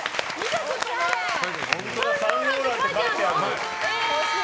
本当だサンローランって書いてある。